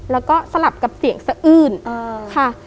แล้วก็สลับกับเสียงสะอื้นค่ะ